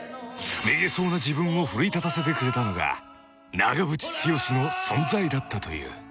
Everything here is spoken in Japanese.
［めげそうな自分を奮い立たせてくれたのが長渕剛の存在だったという］